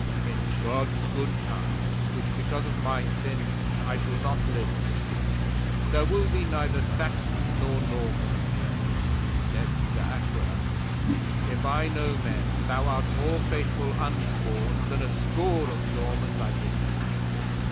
'"In God's good time, which because of my sins I shall not live to see, there will be neither Saxon nor Norman in England," said De Aquila. "If I know men, thou art more faithful unsworn than a score of Normans I could name.